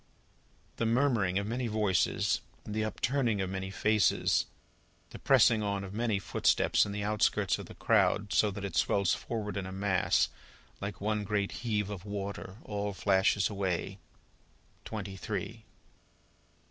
The murmuring of many voices, the upturning of many faces, the pressing on of many footsteps in the outskirts of the crowd, so that it swells forward in a mass, like one great heave of water, all flashes away. Twenty Three.